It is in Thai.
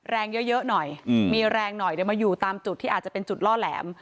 แรงเยอะหน่อยมีแรงหน่อยเดี๋ยวมาอยู่ตามจุดที่อาจจะเป็นจุดล่อแหลม